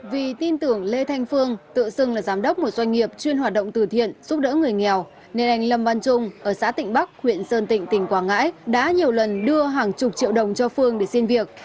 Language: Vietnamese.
vì tin tưởng lê thanh phương tự xưng là giám đốc một doanh nghiệp chuyên hoạt động từ thiện giúp đỡ người nghèo nên anh lâm văn trung ở xã tịnh bắc huyện sơn tịnh tỉnh quảng ngãi đã nhiều lần đưa hàng chục triệu đồng cho phương để xin việc